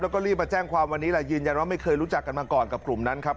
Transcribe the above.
แล้วก็รีบมาแจ้งความวันนี้แหละยืนยันว่าไม่เคยรู้จักกันมาก่อนกับกลุ่มนั้นครับ